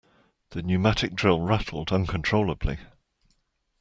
The pneumatic drill rattled uncontrollably.